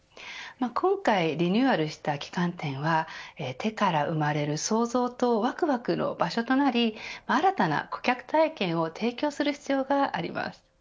今回リニューアルした旗艦店は手から生まれる創造とわくわくの場所となり新たな顧客体験を提供する必要があります。